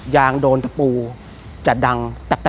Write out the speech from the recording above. ยางโดนตะปูจะดัง